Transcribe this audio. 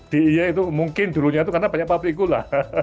di ie itu mungkin dulunya itu karena banyak pabrik gula